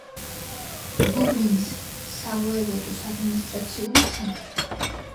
ლუბლინის სავოევოდოს ადმინისტრაციული ცენტრი.